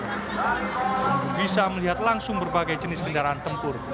untuk bisa melihat langsung berbagai jenis kendaraan tempur